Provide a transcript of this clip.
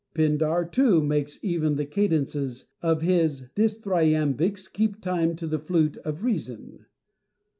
Pindar, too, makes even the cadences of his dithyrambics keep time to the flute of Reason.